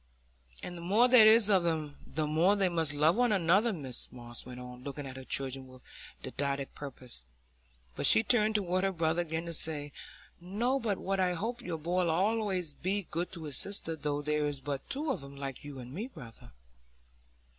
"And the more there is of 'em, the more they must love one another," Mrs Moss went on, looking at her children with a didactic purpose. But she turned toward her brother again to say, "Not but what I hope your boy 'ull allays be good to his sister, though there's but two of 'em, like you and me, brother."